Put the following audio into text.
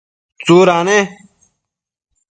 tsuda ne?